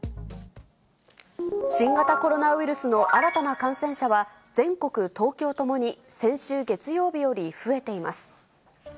新型コロナウイルスの新たな感染者は、全国、東京ともに先週月曜日より増えています。